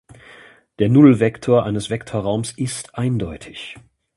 Der Nullvektor eines Vektorraums ist eindeutig.